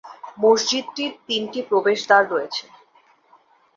মসজিদটির তিনটি প্রবেশদ্বার আছে।